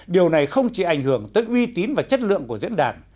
điều này không chỉ ảnh hưởng tới uy tín và chất lượng của diễn đàn